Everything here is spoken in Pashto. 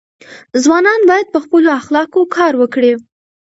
ځوانان باید په خپلو اخلاقو کار وکړي.